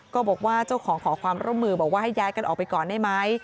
ก็บอกว่าเจ้าของขอความร่วมมือบอกว่าให้ย้ายกันออกไปก่อนได้ไหม